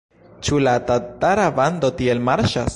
Ĉu la tatara bando tiel marŝas?